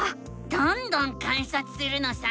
どんどん観察するのさ！